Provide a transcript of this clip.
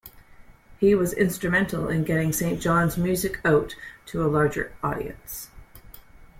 He was instrumental in getting Saint John's music out to a larger audience.